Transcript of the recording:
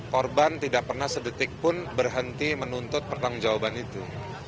korban tidak pernah sedetik pun berhenti menuntut pertanggung jawaban itu